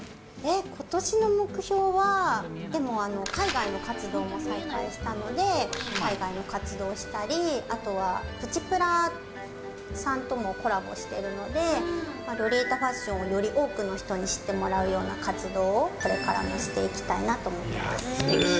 ことしの目標は、でも、海外の活動も再開したので、海外の活動したり、あとはプチプラさんともコラボしてるので、ロリータファッションをより多くの人に知ってもらうような活動を、これからもしていきたいなと思ってます。